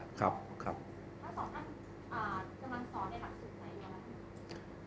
ถ้าสองท่านจะมาสอนในหลักศึกไหน